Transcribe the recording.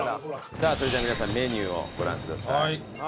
さあそれでは皆さんメニューをご覧ください。